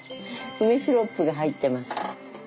梅シロップが入ってます。